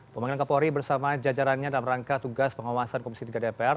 pemanggilan kapolri bersama jajarannya dalam rangka tugas pengawasan komisi tiga dpr